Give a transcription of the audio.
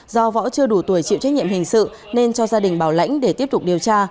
do võ chưa đủ tuổi chịu trách nhiệm hình sự nên cho gia đình bảo lãnh để tiếp tục điều tra